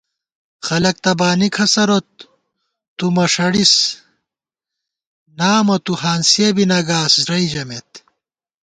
خلَک تہ بانی کھسَرِت، تُو مݭَڑِس، نامہ تُو ہانسِیَہ بی نہ گاس رئی ژمېت